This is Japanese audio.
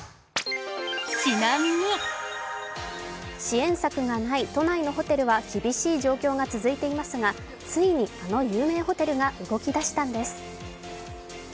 支援策がない都内のホテルは厳しい状況が続いていますがついにあの有名ホテルが動き出したんです。